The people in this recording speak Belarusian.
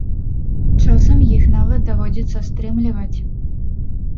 Часам іх нават даводзіцца стрымліваць.